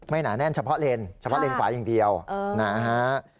หนาแน่นเฉพาะเลนเฉพาะเลนขวาอย่างเดียวนะฮะ